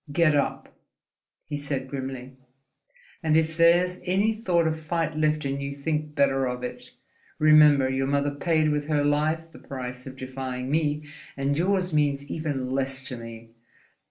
"Get up!" he said, grimly, "and if there's any thought of fight left in you, think better of it, remember your mother paid with her life the price of defying me, and yours means even less to me.